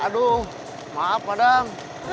aduh maaf madang